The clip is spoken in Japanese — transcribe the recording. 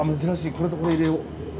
これとこれ入れよう。